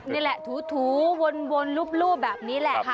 นี่แหละถูวนรูปแบบนี้แหละค่ะ